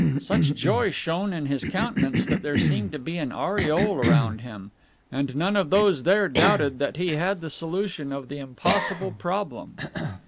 Such joy shone in his countenance that there seemed to be an aureole around him, and none of those there doubted that he had the solution of the impossible problem.